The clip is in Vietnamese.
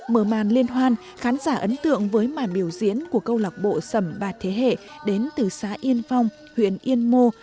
mở màn liên hoan khán giả ấn tượng với màn biểu diễn của câu lạc bộ sầm bạc thế hệ đến từ xã yên phong huyện yên mô